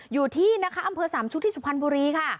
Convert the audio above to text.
อยู่ที่นะคะอำเภอสามชุดที่สุพรรณบุรีค่ะ